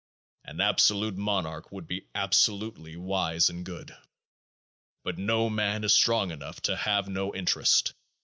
An absolute monarch would be absolutely wise and good. But no man is strong enough to have no interest.